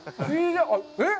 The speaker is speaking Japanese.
えっ？